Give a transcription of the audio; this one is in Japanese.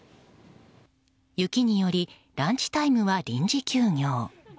雪によりランチタイムは臨時休業。